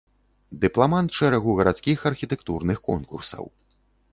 Дыпламант шэрагу гарадскіх архітэктурных конкурсаў.